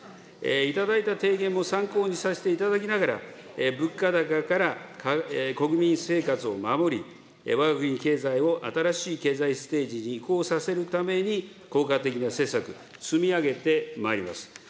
頂いた提言を参考にさせていただきながら、物価高から国民生活を守り、わが国経済を新しい経済ステージに移行させるために効果的な施策、積み上げてまいります。